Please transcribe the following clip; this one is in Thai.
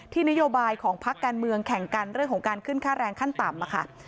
นโยบายของพักการเมืองแข่งกันเรื่องของการขึ้นค่าแรงขั้นต่ำค่ะ